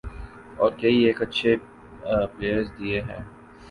اور کئی ایک اچھے پلئیرز دیے ہیں۔